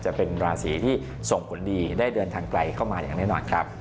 จะเป็นราศีที่ส่งผลดีได้เดินทางไกลเข้ามาอย่างแน่นอนครับ